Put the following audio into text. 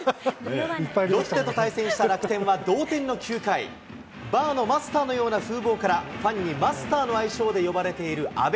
ロッテと対戦した楽天は同点の９回、バーのマスターのような風貌から、ファンにマスターの愛称で呼ばれている阿部。